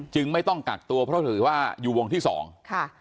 ไม่ต้องกักตัวเพราะถือว่าอยู่วงที่สองค่ะ